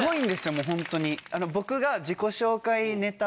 もうホントに。